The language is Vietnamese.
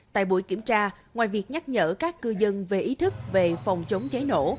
tại buổi kiểm tra ngoài việc nhắc nhở các cư dân về ý thức về phòng chống cháy nổ